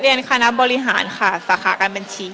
เรียนคณะบริหารค่ะศาและกัฎบัญชี